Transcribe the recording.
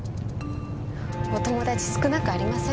お友達少なくありません？